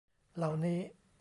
เหล่านี้